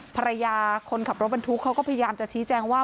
ภรรยาคนขับรถบรรทุกเขาก็พยายามจะชี้แจงว่า